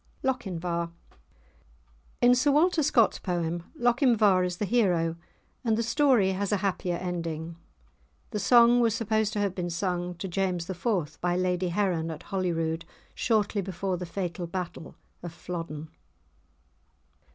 *LOCHINVAR* In Sir Walter Scott's poem, Lochinvar is the hero, and the story has a happier ending. The song was supposed to have been sung to James IV. by Lady Heron at Holyrood shortly before the fatal battle of Flodden.